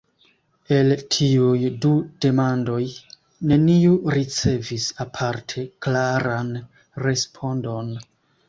El tiuj du demandoj neniu ricevis aparte klaran respondon.